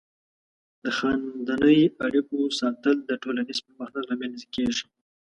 د خاندنۍ اړیکو ساتل د ټولنیز پرمختګ لامل کیږي.